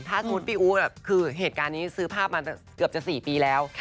ถ้าสมมุติพี่อู๊ดคือเหตุการณ์นี้ซื้อภาพมาเกือบจะ๔ปีแล้ว